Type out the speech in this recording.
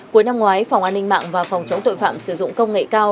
cuối năm ngoái phòng an ninh mạng và phòng chống tội phạm sử dụng công nghệ cao